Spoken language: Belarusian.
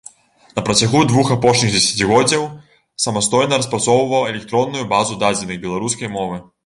На працягу двух апошніх дзесяцігоддзяў самастойна распрацоўваў электронную базу дадзеных беларускай мовы.